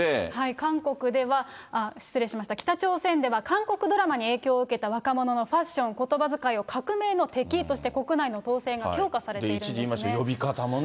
韓国では、失礼しました、北朝鮮では韓国ドラマに影響を受けた若者のファッション、ことば遣いを革命の敵として、国内の統制が強化されているんです一時、言いました、呼び方もね。